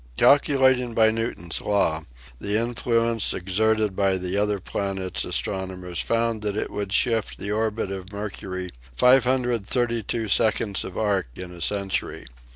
Calculating by Newton's law, the influence exerted by the other planets astronomers found that it would shift the orbit of Mercury 532 seconds of arc in a century.